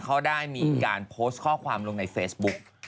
เขาได้มีการโพสต์ข้อความลงในเฟซบุ๊ก